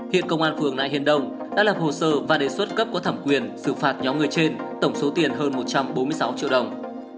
hiện công an phường nại hiên đông đã lập hồ sơ và đề xuất cấp có thẩm quyền xử phạt nhóm người trên tổng số tiền hơn một trăm bốn mươi sáu triệu đồng